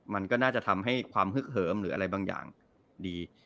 มันก็น่าจะทำให้ความฮึกเหิมหรืออะไรบางอย่างดี